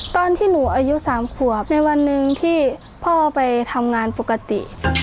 ตอนที่หนูอายุ๓ขวบในวันหนึ่งที่พ่อไปทำงานปกติ